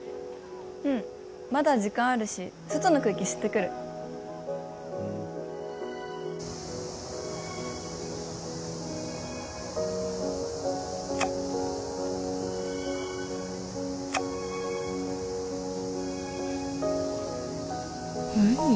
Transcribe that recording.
うんまだ時間あるし外の空気吸ってくるウニ？